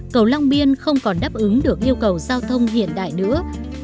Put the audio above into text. cầu long biên không còn đáp ứng được yêu cầu giao thông hiện đại nữa